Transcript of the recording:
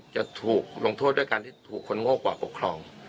จะถูกลงโทษด้วยการที่ถูกคนโง่กว่าปกครอง